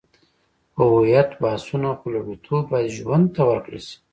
په هویت بحثونه، خو لومړیتوب باید ژوند ته ورکړل شي.